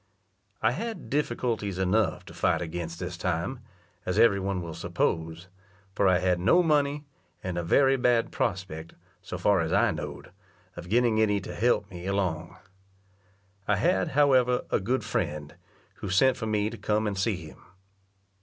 I had difficulties enough to fight against this time, as every one will suppose; for I had no money, and a very bad prospect, so far as I know'd, of getting any to help me along. I had, however, a good friend, who sent for me to come and see him.